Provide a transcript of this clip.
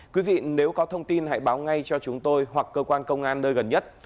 quý vị nếu có thông tin hãy báo ngay cho chúng tôi hoặc cơ quan công an nơi gần nhất